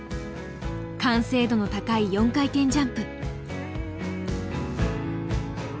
完成度の高い４回転ジャンプ。